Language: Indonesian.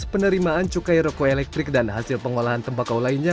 penerimaan cukai rokok elektrik dan hasil pengolahan tembakau lainnya